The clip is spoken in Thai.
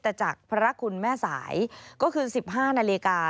แต่จากพระคุณแม่สายก็คือ๑๕นาฬิกา